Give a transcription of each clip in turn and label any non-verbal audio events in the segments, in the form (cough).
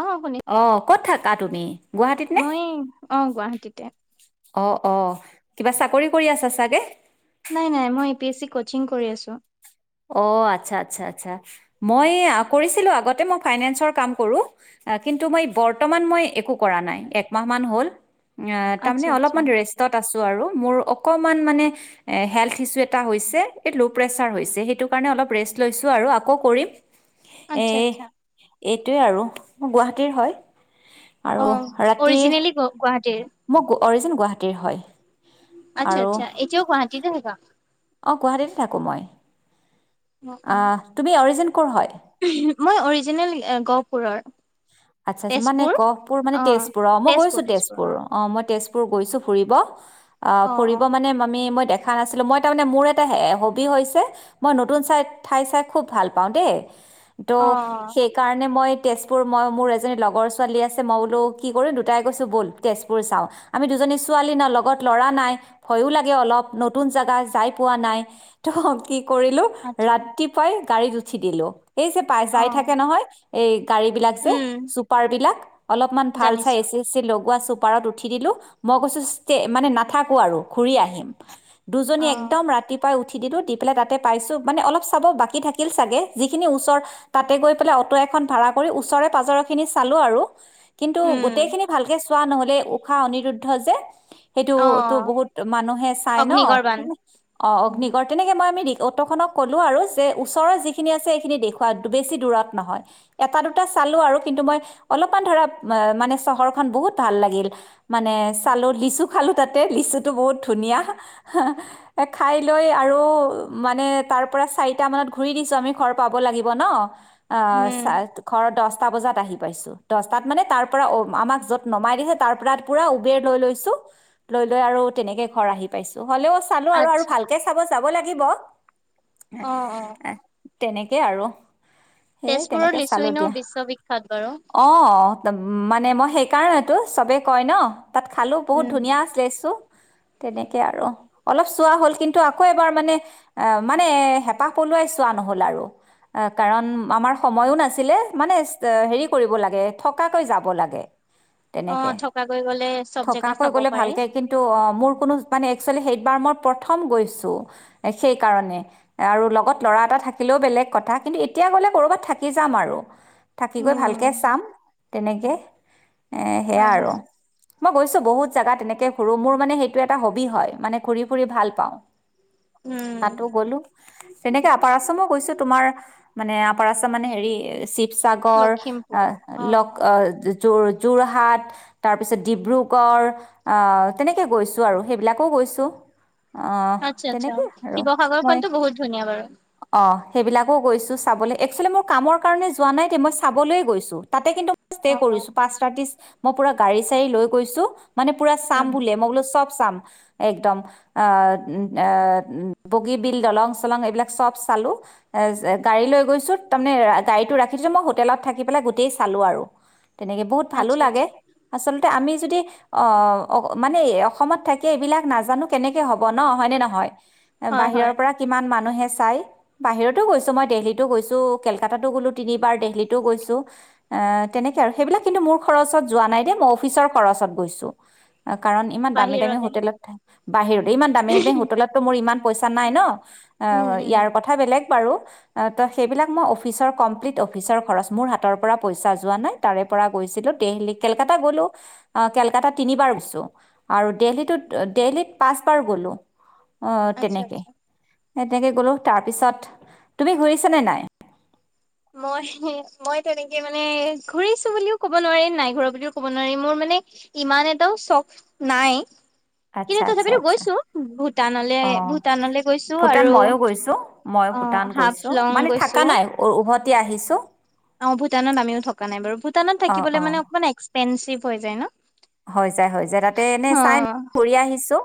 অ শুনি অ' কত থাকা তুমি গুৱাহাটীত নে? মই অ গুৱাহাটীতে। অ 'অ 'কিবা চাকৰি কৰি আছা চাগে নাই -নাই মই A P S C coaching কৰি আছোঁ। অ' আচ্ছা- আচ্ছা -আচ্ছা মই ফাইনেঞ্চৰ কাম কৰো বৰ্তমান মই একো কৰা নাই। অ তাৰমানে আচ্ছা আচ্ছা অলপমান ৰেষ্টত আছো আৰু মোৰ। অকমান মানে হেল ইছ' এটা ল' প্ৰেচাৰ হৈছে সেই কাৰণে অলপ ৰেষ্ট লৈছোঁ আকৌ কৰিম। এ আচ্ছা -আচ্ছা এইটোৱে আৰু গুৱাহাটীৰ হয়। অ' অৰিজিনেলি গুৱাহাটী। মোক অৰিজ গুৱাহাটী। হয়। আচ্ছা -আচ্ছা এতিও গুৱাহাটী ৰে হলা অ' গুৱাহাটীতে থাকোঁ মই। অ 'তুমি অৰিজিন কৰ হয়। মই অৰিজিনেল গহপুৰৰ। আচ্ছা -আচ্ছা মানে তেজপুৰ কপুৰ মানে অ তেজপুৰ, অ', মই গৈছো তেজপুৰ অ', মই তেজপুৰ গৈছোঁ ফুৰিব। অ', ফুৰিব মানে মামী মই দেখা দেখা নাছিলোঁ মই তাৰ মে মোৰ এটা হবি হৈছে। মই নতুন ঠাই চাই খুব ভাল পাওঁ দেই। ত' অ সেইকাৰণে মই- তেজপুৰ মই মোৰ এজনী লগৰ ছোৱালী আছে। মই বোলো কি কৰিম দুটাই কৈছোঁ ব'ল তেজপুৰ চাওঁ, আমি দুজনী ছোৱালী ন লগত ল'ৰা নাই। ভয়ো লাগে অলপ নতুন জেগা যাই পোৱা নাই ত' কি? কৰিলো আচ্ছা ৰাতিপুৱাই গাড়ীত উঠি দিলোঁ। এই যে পাই অ যাই থাকে নহয়। এই গাড়ীবিলাক যে উম চুপাৰ বিলাক অলপমান ভাল চাই জানিছো এচি তেচি লগ পুৱা চুপাৰত উঠি দিলো, মই কৈছো মানে নাথাকো আৰু ঘুৰি আহিম। অ দুজনী একদম ৰাতিপুৱাই উঠ উঠি দিলো দি পেল তাতে পাইছো মানে অলপ চাব বাকী থাকিল চাগে যিখিনি ওচৰ তাতে গৈ পেল অটো এ ভাৰাত কৰি ওচৰে পাজৰ খিনি চালো আৰু কিন্তু উম গোটেইখিনি ভালকে চোৱা নহ'ল। ঊষা অনিৰুদ্ধ যে সেইটো অ তো বহুত মানুহে চাই ন, অগ্নিগড় বান অ', অগ্নিগড় তেনেকে মই আমি দেখি অটো খনক ক'লো আৰু যে ওচৰৰত যিখিনি আছে, সেইখিনি দেখুৱা বেছি দূৰত নহয়। এটা দুটা চালো আৰু কিন্তু মই অলপমান ধৰা মানে চহৰখন বহুত ভাল লাগিল। মানে চালো লিচু খালো তাতে লিচুটো বহুত ধুনীয়া খাই লৈ আৰু মানে তাৰ পৰা চাৰিটা মানত ঘূৰি দিছো, আমি ঘৰ পাব লাগিব ন। অ', উম চাৰি ঘৰ দছটা বজাত আহি পাইছো। দছটাত মানে তাৰ পৰা আমাক যত নমাই দিছে, তাৰ পৰা পুৰা উবেৰ লৈ লৈছো লৈ লৈ আৰু তেনেকে ঘৰ আহি পাইছো। হ'লেও চালো আৰু আচ্ছা ভালকে চাব যাব লাগিব। অ অ (unintelligible) তেনেকেই আৰু সেই তেজপুৰৰ তেনেকে লিচু চালো দিয়া চুইনৰ বিশ্ববিখ্যাত বাৰু অ', মানে মই সেইকাৰণেতো চবেই কয় ন। তাত খালোঁ বহুত উম ধুনীয়া আছিল লেচু তেনেকে আৰু অলপ চোৱা হ'ল কিন্তু আকৌ এবাৰ মানে আহ মানে হেঁপাহ পলুৱাই চোৱা নহল আৰু এ কাৰণ আমাৰ সময়ো নাছিল নাছিলে মানে হেৰি কৰিব লাগে থকাকৈ যাব লাগে। অ তেনেকে থকাকৈ গ'লে চব জেগা থকাকৈ চাব গলে পাৰি। ভালকে কিন্তু অ', মোৰ কোনো মানে এক্সোৱেলী সেইবাৰ মই প্ৰথম গৈছোঁ, সেইকাৰণে আৰু লগত ল'ৰা এটা থাকিলেও বেলেগ কথা কিন্তু এতিয়া গ'লে ক'ৰবাত থাকি যাম আৰু। থাকি গৈ উম ভালকে চাম। তেনেকে। এ সেয়া হয় আৰু। হয়। মই গৈছোঁ বহুত জোগাত তেনেকে ঘুৰো মোৰ মানে সেইটো এটা হবি হয় মানে ঘূৰি ফুৰি ভাল পাওঁ। উম তাতো গলোঁ, তেনেকে আপাৰ আছামো গৈছোঁ, তোমাৰ মানে কৰা চ মানে হেৰি চি শিৱসাগৰ, লক অ যোৰহাট তাৰপিছত ডিব্ৰুগড় তেনেকে গৈছো আৰু সেইবিলাকো গৈছো। আহ আচ্ছা আচ্ছা তেনেকে আৰু মই শিৱসাগৰখনতো বহুত ধুনীয়া বাৰু। অ সেইবিলাকো গৈছোঁ চাবলৈ, এক্সুৱেলি মোৰ কামৰ কাৰণে যোৱা নাই দেই, মই চাবলৈ গৈছোঁ, তাতে কিন্তু ষ্টে অ অ কৰিছোঁ, পাঁচ ৰাতি। মই পুৰা গাড়ী চাড়ী লৈ গৈছোঁ। মানে পুৰা চাম উম বুলে মই বোলো চব চাম। একদম আহ এ বগী বিল দলং চলং এইবিলাক চব চালো এ গাড়ী লৈ গৈছোঁ। তাৰমানে গাড়ীতটো ৰাখিছোঁ মই হোটেলত থাকি পেলাই গোটেই চালো আৰু। তেনেকে বহুত ভালো আচ্ছা লাগে আচ্ছা আচলতে আমি যদি অ অ মানে অসমত থাকিয়ে এইবিলাক নাজানো কেনেকে হ'ব ন হয়নে নহয়? হয় বাহিৰৰ হয় পৰা কিমান মানুহে চাই বাহিৰতো গৈছো মই দেল্হি তো গৈছোঁ। কেলকাতাতো গ'লো তিনিবাৰ দেল্হিতো গৈছো, তেনেকে আৰু সেইবিলাক কিন্তু মোৰ খৰচত যোৱা নাই দেই মই অফিচৰ খৰচত গৈছোঁ। কাৰণ ইমান দামী দামী বাহিৰলে হোটেলত থাক বাহিৰতে ইমান দামী দামী হোটেলতো মোৰ ইমান পইচা নাই ন। অ উম উম ইয়াৰ কথা বেলেগ বাৰু ত সেইবিলাক মই অফিচৰ কমপ্লিট অফিচৰ খৰচ মোৰ হাতৰ পৰা পইছা যোৱা নাই তাৰে পৰা গৈছিলো‌, কেলকাতা গলোঁ কেলকাতা তিনিবাৰ গৈছো আৰু দেল্হিতো দেল্হিত পাঁচবাৰ গলোঁ। অ আচ্ছা তেনেকে। আচ্ছা এ তেনেকে গ'লো তাৰ পিছত তুমি ঘূৰিছা নে নাই। মই মই তেনেকে মানে ঘূৰিছো বুলিও কব নোৱাৰিম নাই ঘুৰা বুলিও কব নোৱাৰিম মোৰ মানে ইমান এটাও চখ নাই। কিন্তু তথাপিতো গৈছো বহু অঁ ভূটান ময়ো গৈছো মই অ ভূটান গৈছো হাফলং মানে থকা গৈছো নাই উভত এতি আহিছোঁ অ ভূটানত আমিও থকা নাই বাৰু হোটেলত অ অ থাকিবলৈ মানে অকমান এক্সপেনছিভ চিপ হৈ যায় ন হৈ যায় হৈ যায় তাতে এনে অ চাই ঘূৰি আহিছো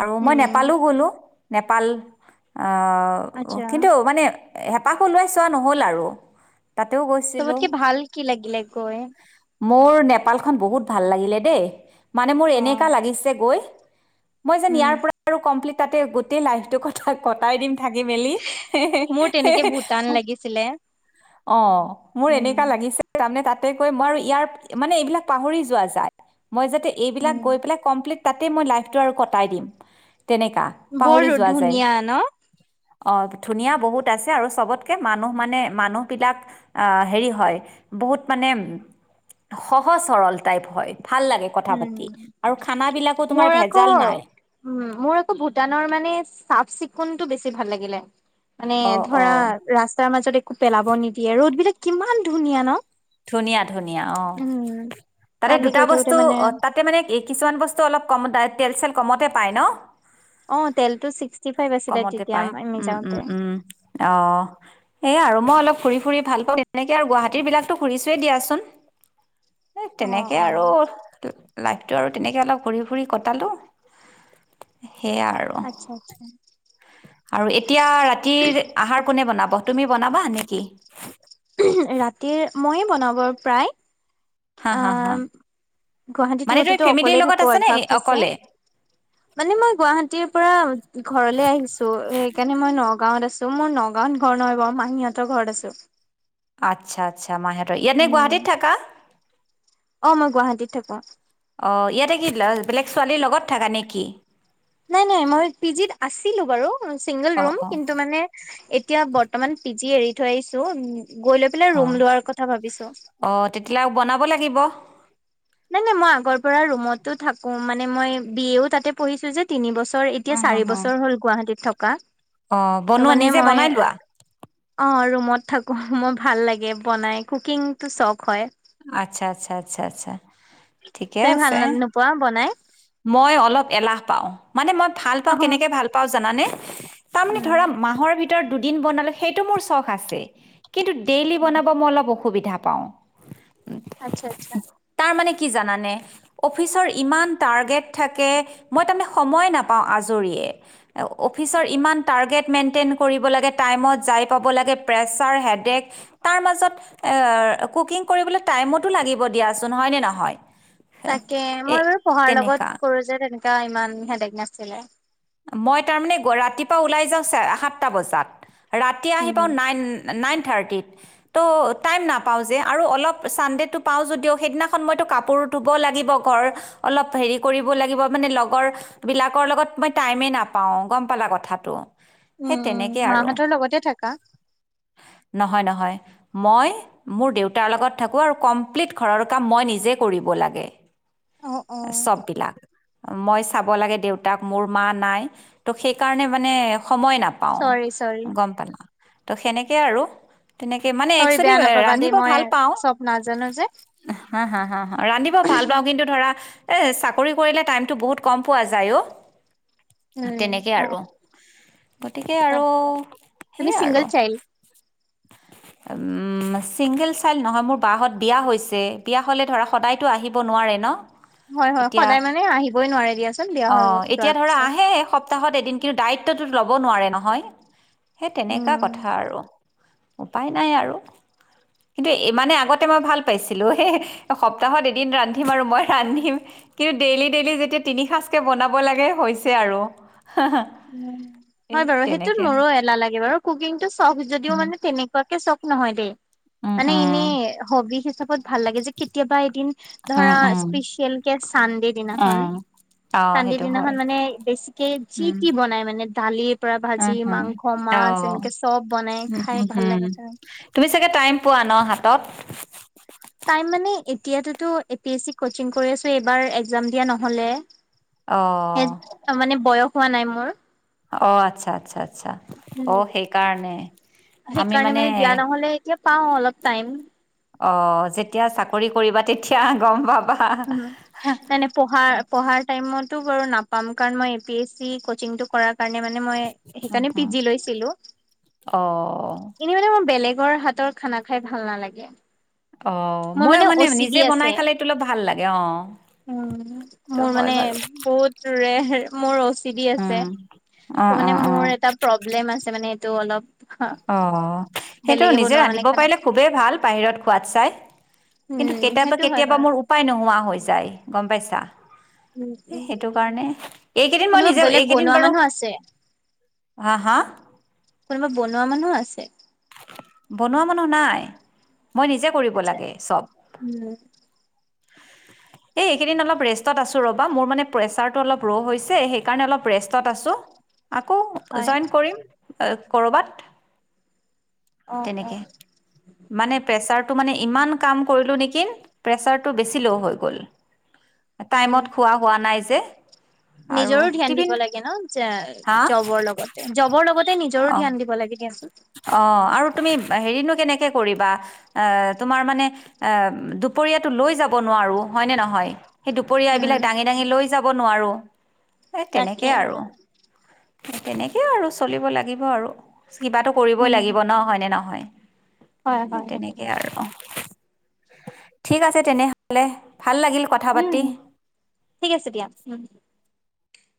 আৰু মই উম নেপালো গলোঁ নেপাল আচ্ছা কিন্তু মানে হেঁপাহো ওলাই চোৱা নহ'ল আৰু তাতেও গৈছিলোঁ চবতকে ভাল কি লাগিলে কৈ মোৰ নেপালখন বহুত ভাল লাগিলে দেই মানে মোৰ অ এনেুৱা লাগিছে গৈ মই যেন উম ইয়াৰ পৰা্লি তাতে গোটেই লাইফটো কটায় কটায় দিম থ মেলি মোৰ তেনেকে ভূটান লাগিছিলে অ মোৰ উম এনেুৱ লাগি তাৰে ত তাতেগৈ মই ইয়াৰ মানে এইবিলাক পাহৰি োৱা যায় মই যাতে এইবিলাক উম গৈ পেলাই কমপ্লিট তাতে মই লাইফটো আৰু কটাই দিম তেনেকা পাহৰি বৰো যোৱা যায় ধুনীয়া ন অ ধুনীয়া বহুত আছে আৰু চবতকে মানুহ মানে মানুহবিলাক আহ হেৰি হয় বহুত মানে সহজ সৰল টাইপ হয় ভাল লাগে কথা পাতি আৰু উম খানাবিলাকো তোমাৰ মোৰ আকৌ ভেজাল নাই উ মোৰ আকৌ ভূটানৰ মানে চাফ চিকুণ টো বেছি ভাল লাগিলে মানে অ' ধৰা অ' ৰাস্তাৰ মাজত একো পেলাব নিদিয়ে ৰোদ বিলাক কিমান ধুনীয়া ন ধুনীয়া ধুনীয়া অ উম তাতে তালৈ দুটা গৈ থাকোতে বস্তু মানে (inaudible) কমতে পায় ন অ তেলটো ছিক্সটি ফাইভ আছিলে কমতে তেতিয়া পাই আমি উম উম যাওঁতে। উম অঁ সেয়া আৰু মই অলপ ফুৰি ফুৰি ভাল পাওঁ তেনেকে আৰু গুৱাহাটীৰ বিলাক ঘুৰিছোৱেই দিয়াচোন এ অ তেনেকে অ আৰু লাইফটো আৰু তেনেকৈ অলপ ঘূৰি-ফুৰি কটালোঁ। আচ্ছা-আচ্ছা, আৰু এতিয়া ৰাতিৰ আহাৰ কোনে বনাব তুমি বনাবা নেকি? ৰাতিৰ মইয়েই বনাব প্ৰায় হা হা হা অঁ গুৱাহাটীত মানে তুমি থাকোতেতো ফেমিলিৰ অকলে লগত থাকো আছা নে অভ্যাস আছে, অকলে মানে মই গুৱাহাটীৰ পৰা ঘৰলে আহিছো সেইকাৰণে মই ন গাঁৱত আছো মোৰ নগাঁৱত ঘৰ নহয় বাৰু মাহীহঁতৰ ঘৰত আছো। আচ্ছা-আচ্ছা মাহিহতৰ ইয়াতে উম। গুৱাহাটীত থাকা। অ মই গুৱাহাটীত থাকো। অঁ ইয়াতে কি বেলেগ ছোৱালীৰ লগত থাকা নে কি? নাই-নাই মই পি জিত আছিলো বাৰু। চিংগল অ ৰুম অ কিন্তু মানে। এতিয়া বৰ্তমান পি জি এৰি থৈ আহিছো উম। অঁ-অঁ তেতিয়াহলে‌ আৰু বনাব লাগিব। নাই-নাই মই আগৰ পৰা ৰুমতো থাকো। মানে মই বি এ তাতে পঢ়িছো যে তিনিবছৰ। এতিয়া চাৰি বছৰ হ'ল গুৱাহাটীত থকা। কা অঁ' বনোৱা নিজে বনাই লোৱা। মত থাকোঁ মোৰ ভাল লাগে বনাই কুকিংটো চখ হয়। আচ্ছা-আচ্ছা-আচ্ছা-আচ্ছা, তুমি ভাল ন নোপোৱা বনাই। মই অলপ এলাহ পাওঁ। মানে মই ভাল অ পাওঁ কেনেকে ভাল পাওঁ। জানানে? তাৰমানে উম ধৰা মাহৰ ভিত ত দুদিন বনালো সেইটো মোৰ চখ আছে। কিন্তু ডেইলি বনাব মই অলপ অসুবিধা পাওঁ। আচ্ছা-আচ্ছা। তাৰ মানে কি জানানে অফিচৰ ইমান টাৰ্গে থাকে মই তাৰে সময় নাপাওঁ আজৰিয়ে। অফিচৰ ইমান টাৰ্গেট মেইনটেইন কৰিব লাগে টাইমত যাই পাব লাগে প্ৰেছাৰ হেডেক তাৰ মাজত এ-এ কুকিং কৰিবলৈ টাইমতো লাগিব দিয়াচোন হয়নে নহয়। তাকে এ মই বাৰু পঢ়া। লগত তেনেকা কৰো যে তেনেক তেও ইমান হেদেক নাছিলে মই তাৰমানে ৰাতিপুৱা ওলাই যাওঁ সাতটা বজাত ৰাতি আহি উম পাওঁ নাইন নাইন থাৰ্টিত ত' টাইম নাপাওঁ যে আৰু অলপ ছানডে'টো পাওঁ যদিও সেইদিনাখন মইতো কাপোৰ ধুব লাগিব ঘৰ অলপ হেৰি কৰিব লাগিব মানে লগৰবিলাকৰ লগত। মই টাইমেই নাপাওঁ গম পালা কথাটো সেই উম উ তেনেকেই আৰু মাহঁতৰ লগতে থাকা নহয় নহয় মই মোৰ দেউতাৰ লগত থাকোঁ আৰু কমপ্লিট ঘৰৰ কাম মই নিজে কৰিব লাগে। অ অ চব বিলাক মই চাব লাগে দেউতাক মোৰ মা নাই ত সেইকাৰণে মানে সময় নাপাওঁ চৰি চৰি গম পালা ত' সেনেকে আৰু তেনেকে মানে চৰি একচুৱেলি বেয়া নাপাবা দেই ৰান্ধিব মই ভাল চব নাজানো যে পাওঁ হা হা ৰান্ধিব ভাল পাওঁ কিন্তু ধৰা। এ-ই চাকৰি কৰিলে টাইমটো বহুত কম পোৱা যায় অ উম তেনেকে হয় আৰু গতিকে আৰু তাকে তুমি সেইয়াই চিংগল আৰু চাইল্ড ছিংগল চাইল্ড নহয় মোৰ বাঁহত বিয়া হৈছে বিয়া হ'লে ধৰা সদায়তো আহিব নোৱাৰে ন হয় হয় এতিয়া সদায় মানে আহিবই নোৱাৰে দিয়াচোন বিয়া অ হৈ গৈ যোৱাৰ পিছত তই ত ল'ব নোৱাৰে নহয় সেই তেনেকোৱা উম। কথা আৰু উপায় নাই আৰু, কিন্তু মানে আগতে মই ভাল পাইছিলো এ সপ্তাহত এদিন ৰান্ধিম, আৰু মই ৰান্ধিম কিন্তু ডেইলি ডেইলি যেতিয়া তিনি সাঁজকে বনাব লাগে হৈছে আৰু। উ হয় এই বাৰু সেইটোত তেনেকে মোৰো এলাহ লাগে বাৰু কুকিংটো চখ যদিও উম মানে তেনেকোৱা চখ নহয় দেই উম মানে ইনে উম হবি চাপত ভাল লাগে যে কেতিয়াবাই কিনত্ উম ধৰা স্পেচিয়েল কে চানডে দিনাখন উম অ চানডে সেইটো হয় দিনাখন মানে বেছিকে চিপ মানে দালি অ হ অ চব বনাই খাই উম ভাল হম লাগে খাই। তুমি চাগে টাইম পোৱা ন হাত তাত টাইম মানে এতিয়াতো তো A P A C coaching কৰি আছো, এবাৰ তো একজাম দিয়া নহলে এ অ মানে বয়স হোৱা নাই মোৰ অ আচ্ছা আচ্ছা আচ্ছা উম সেইকাৰণে মানে দিয়া নহলে এতিয়া পাও অলপ টাইম অ যেতিয়া চাকৰি কৰিবা তেতিয়া গম পাব উম মানে পঢ়া পঢ়াৰ টাইমত টো বাৰু নাপাম কাৰণ মই এ পি এছ চি কোচিংটো কৰা কাৰনে মানে মই উম, সেইকাৰনে পি হুম। জি লৈছিলো। অ কিন্তু মানে মই বেলেগ ঘৰ হাতৰ খানা খাই ভাল নালাগে অ মোৰ মইো মানে অ চি ডি নিজে বনাই আছে। খালেতো অলপ ভাল লাগে অ উম, ত হয় বাৰু হে মোৰচ্ অ চি ডি আছে উম অ ট মোৰ অ অ মানে এটা প্ৰব্লেম আছে মানে টো অলপ অ সেইটো বেলেগে নিজে বনোৱা মানে ৰান্ধিব খানা পাৰিলে চানা। খুবেই ভাল বাহিৰত খোৱাত চাই কিন্তু উম, কেতিয়াবা সেইটো হয় কেতিয়াবা বাৰু। মোৰ উপায় নোহোৱা হৈ হৈছে যায় গম পাইছা উম, উম, সেইটো কাৰণে এইকেইদিন মই কোনোবা নিজে বেলেগ এইকেইদিন বনোৱা বাৰু মানুহ আছে, হা হা কোনোবা বনোৱা মানুহো আছে বনোৱা মানুহ নাই মই নিজে কৰিব আচ্ছা লাগে চব উম এই এইকেইদিন অলপ ৰেষ্টত আছো ৰ'বা মোৰ মানে প্ৰেচাৰটো অলপ ল' হৈছে সেইকাৰণে অলপ ৰেষ্টত আছো আকৌ হয় জইন কৰিম কৰবাত অ অ তেনেকে মানে প্ৰেচাৰ টো মানে ইমান কাম কৰিলো নেকি প্ৰেচাৰটো বেছি ল' হৈ গ'ল। উম টাইমত খোৱা হোৱা নাই যে আৰু নিজৰো ধ্যান টিফিন দিব লাগে ন হা জবৰ লগতে জবৰ লগতে নিজৰো ধ্যান দিব লাগে দিয়চোন অঁ আৰু তুমি হেৰিনো কেনেকে কৰিবা এ তোমাৰ মানে এ দুপৰীয়াটো লৈ যাব নোৱাৰো হয়নে নহয়। সেই দুপৰীয়া উম এইবিলাক দাঙি দাঙি লৈ যাব নোৱাৰো এ তাকে তেনেকেই আৰু তেনেকেই আৰু চলিব লাগিব আৰু কিবাটো কৰিবই উম লাগিব ন হয়নে নহয় হয় সেই হয় সেইটো তেনেকে আৰু অঁ ঠিক আছে তেনেহলে। ভাল লাগিল কথা উম পাতি ঠিক আছে দিয়া